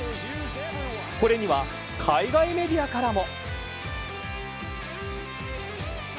これには海外メディアからも。